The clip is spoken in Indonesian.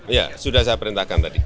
iya sudah saya perintahkan tadi